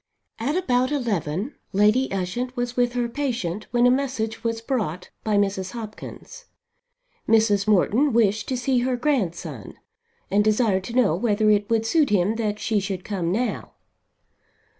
At about eleven Lady Ushant was with her patient when a message was brought by Mrs. Hopkins. Mrs. Morton wished to see her grandson and desired to know whether it would suit him that she should come now.